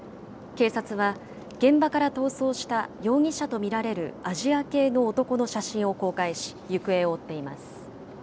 警察は、現場から逃走した容疑者と見られるアジア系の男の写真を公開し、行方を追っています。